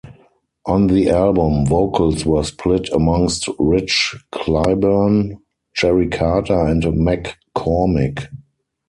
On the album, vocals were split amongst Rich Cliburn, Jerry Carter and McCormick.